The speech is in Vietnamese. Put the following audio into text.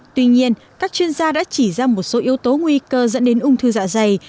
tuy nhiên các chuyên gia đã chỉ ra một số yếu tố nguy cơ dẫn đến ung thư dạ dày